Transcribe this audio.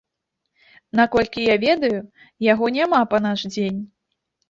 Наколькі я ведаю, яго няма па наш дзень.